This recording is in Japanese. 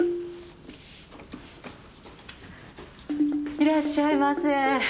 いらっしゃいませ。